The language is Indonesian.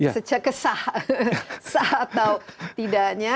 secah kesah atau tidaknya